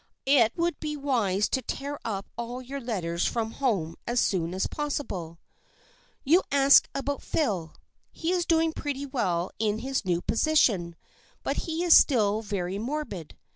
It would be wise to tear up all your letters from home as soon as possible. THE FRIENDSHIP OF ANNE 71 " You ask about Phil. He is doing pretty well in his new position, but he is still very morbid.